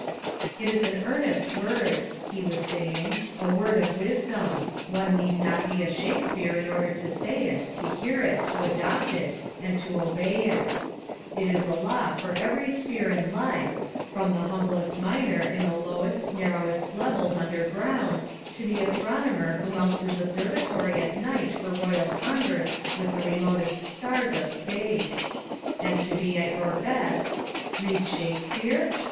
?: "It is an earnest word," he was saying, "a word of wisdom; one need not he a Shakespeare in order to say it, to hear it, to adopt it, and to obey it It is a law for every sphere in life, from the humblest miner in the lowest, nar rowest levels under ground, to the astronomer who mounts his observatory at night for royal converse with the remotest stars of space. And to be at your best — Read Shakespeare?